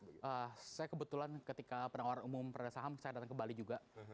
saya kebetulan ketika penawaran umum pada saham saya datang ke bali juga